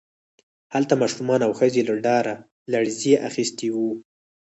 هلته ماشومان او ښځې له ډاره لړزې اخیستي وو